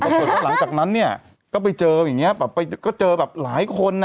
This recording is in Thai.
แต่พอหลังจากนั้นเนี่ยก็ไปเจออย่างนี้ก็เจอแบบหลายคนน่ะ